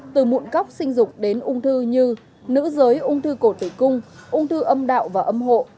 từ mụn cóc sinh dục đến ung thư như nữ giới ung thư cổ tử cung ung thư âm đạo và âm hộ